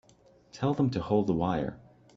Tell them to hold the wire.